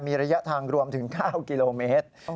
มีระยะทางรวมถึง๙กิโลเมตร